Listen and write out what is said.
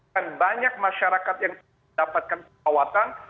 dan banyak masyarakat yang mendapatkan perkhidmatan